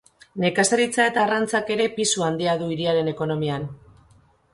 Nekazaritza eta arrantzak ere pisu handia du hiriaren ekonomian.